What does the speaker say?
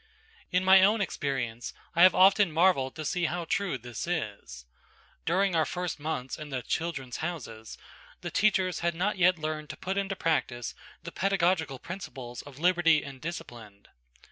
In my own experience I have often marvelled to see how true this is. During our first months in the "Children's Houses," the teachers had not yet learned to put into practice the pedagogical principles of liberty and discipline.